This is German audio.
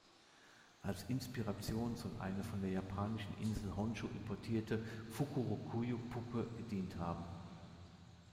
Als Inspiration soll eine von der japanischen Insel Honshū importierte Fukurokuju-Puppe gedient haben.